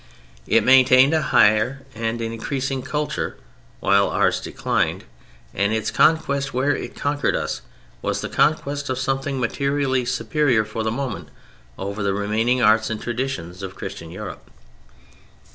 It maintained a higher and an increasing culture while ours declined; and its conquest, where it conquered us, was the conquest of something materially superior for the moment over the remaining arts and traditions of Christian Europe.